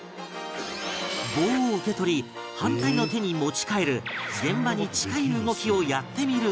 棒を受け取り反対の手に持ち替える現場に近い動きをやってみる事に